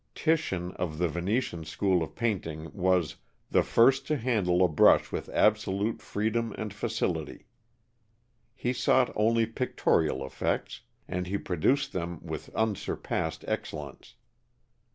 Titian, of the Venetian school of painting, was "the first to handle a brush with absolute freedom and facility." He sought only pictorial effects; and he produced them with unsurpassed excellence.